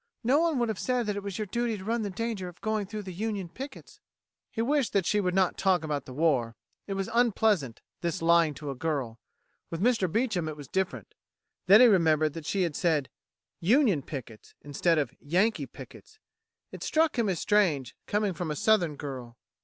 No one would have said that it was your duty to run the danger of going through the Union pickets." He wished that she would not talk about the war. It was unpleasant, this lying to a girl. With Mr. Beecham it was different. Then he remembered that she had said "Union pickets," instead of "Yankee pickets." It struck him as strange, coming from a Southern girl.